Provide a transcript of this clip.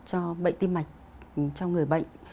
cho bệnh tim mạch cho người bệnh